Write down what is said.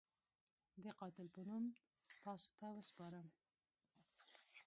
د قاتل په نوم تاسو ته وسپارم.